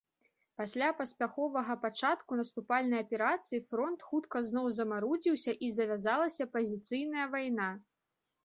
Пасле паспяховага пачатку наступальнай аперацыі фронт хутка зноў замарудзіўся і завязалася пазіцыйная вайна.